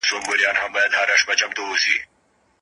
تجمل دود کيږي.